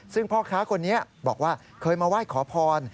ซึ่งพ่อค้าคนนี้บอกว่าเคยมาไหว้ขอพร